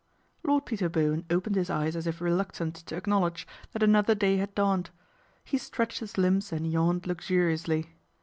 Lord Peter Bowen opened his eyes as if reluctant to acknowledge that another day had dawned. He stretched his limbs and yawned luxuriously.